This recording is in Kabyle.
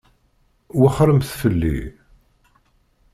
Wexxṛemt fell-i.